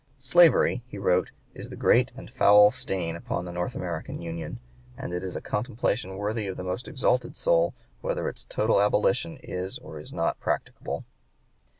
"Slavery," he wrote, "is the great and foul stain upon the North American Union, and it is a contemplation worthy of the most exalted soul whether its total abolition is or is not practicable."